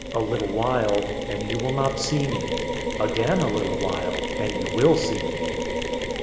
016:016 A little while, and you will not see me. Again a little while, and you will see me."